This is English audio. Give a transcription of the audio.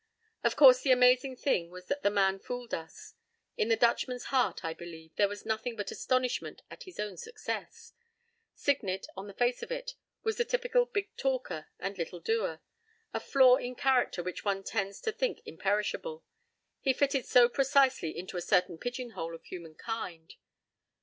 p> Of course the amazing thing was that the man fooled us. In the Dutchman's heart, I believe, there was nothing but astonishment at his own success. Signet, on the face of it, was the typical big talker and little doer; a flaw in character which one tends to think imperishable. He fitted so precisely into a certain pigeonhole of human kind.